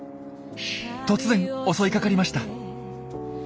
突然襲いかかりました。